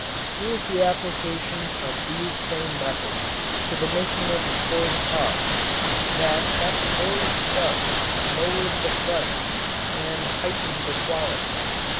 It was the application of these same methods to the making of the Ford car that at the very start lowered the price and heightened the quality.